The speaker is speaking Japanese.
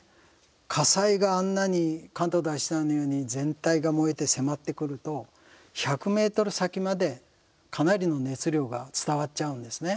火災があんなに関東大震災のように全体が燃えて迫ってくると１００ｍ先まで、かなりの熱量が伝わっちゃうんですね。